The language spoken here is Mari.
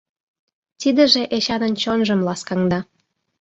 Тидыже Эчанын чонжым ласкаҥда.